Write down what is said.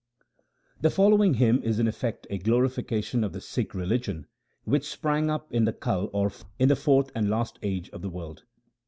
The following hymn is in effect a glorification of the Sikh religion which sprang up in the Kal or fourth and last age of the world.